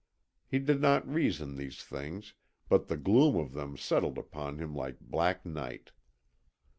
He did not reason these things but the gloom of them settled upon him like black night.